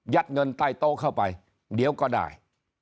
เงินใต้โต๊ะเข้าไปเดี๋ยวก็ได้